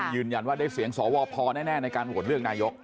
ยืนยันว่าได้เสียงสวพอแน่ในการโหวตเลือกนายก